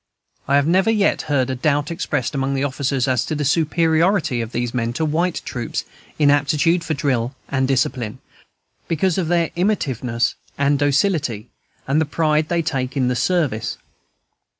I have never yet heard a doubt expressed among the officers as to the superiority of these men to white troops in aptitude for drill and discipline, because of their imitativeness and docility, and the pride they take in the service.